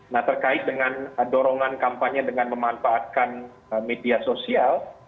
nah terkait dengan dorongan kampanye dengan memanfaatkan media sosial